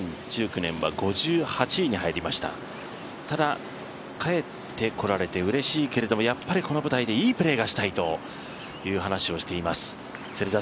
ただ、帰ってこられてうれしいけれどもやっぱりこの舞台でいいプレーがしたいという話をしています。